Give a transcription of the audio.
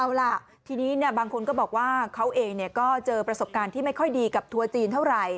เอาล่ะทีนี้บางคนก็บอกว่าเขาเองก็เจอประสบการณ์ที่ไม่ค่อยดีกับทัวร์จีนเท่าไหร่